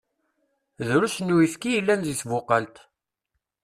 Drusn uyefki i yellan deg tbuqalt.